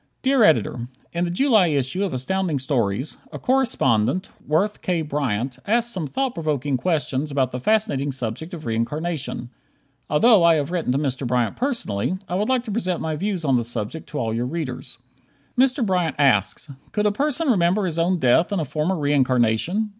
Dear Editor: In the July issue of Astounding Stories, a correspondent, Worth K. Bryant, asks some thought provoking questions about the fascinating subject of reincarnation. Although I have written to Mr. Bryant personally, I would like to present my views on the subject to all your readers. Mr. Bryant asks: "Could a person remember his own death in a former reincarnation?"